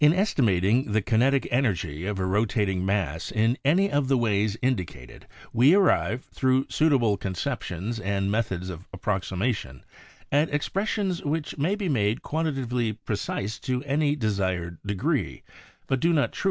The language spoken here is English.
In estimating the kinetic energy of a ro tating mass in any of the ways indicated we arrive, thru suitable conceptions and methods of approximation, at expressions which may be made quantitatively precise to any desired degree, but do not truly de Fig.